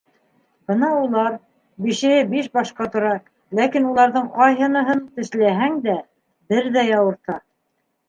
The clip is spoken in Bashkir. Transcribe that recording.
- Бына улар... бишеһе биш башҡа тора, ләкин уларҙың ҡайһыныһын тешләһәң дә... берҙәй ауырта...